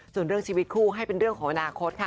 ส่วนเรื่องชีวิตคู่ให้เป็นเรื่องของอนาคตค่ะ